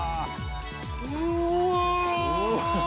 うお！